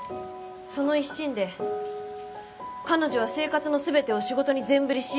その一心で彼女は生活の全てを仕事に全振りしようと決めました。